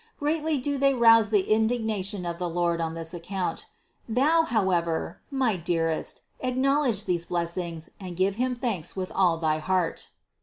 Greatly do they rouse the indignation of the Lord on this account. Thou, however, my dearest, acknowledge these blessings and give Him thanks with all thy heart.